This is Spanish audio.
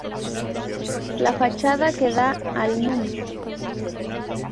La fachada que da al núm.